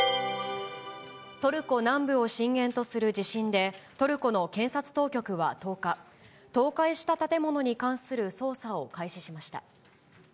トルコ南部を震源とする地震で、トルコの検察当局は１０日、倒壊した建物に関する捜査を開始しました。